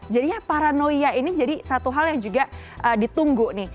jadinya paranoia ini jadi satu hal yang juga ditunggu nih